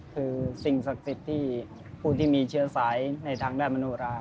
คือสิ่งศักดิ์สิทธิ์ที่ผู้ที่มีเชื้อสายในทางด้านมโนรา